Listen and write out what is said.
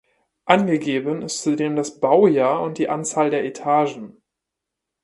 Angegeben ist zudem das Baujahr und die Anzahl der Etagen.